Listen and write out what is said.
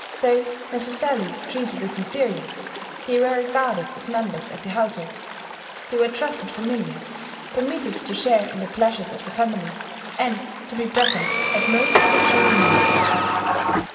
Though necessarily treated as inferiors, they were regarded as members of the household: they were trusted familiars, permitted to share in the pleasures of the family, and to be present at most of its reunions.